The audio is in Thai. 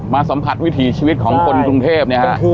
มาสำคัญวิถีชีวิตของคนกรุงเทพ